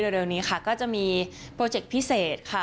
เร็วนี้ค่ะก็จะมีโปรเจคพิเศษค่ะ